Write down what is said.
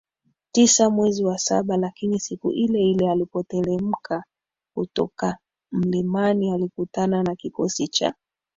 tisa mwezi wa saba Lakini siku ileile alipotelemka kutoka mlimani alikutana na kikosi cha